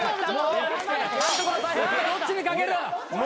どっちにかける？